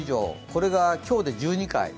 これが今日で１２回。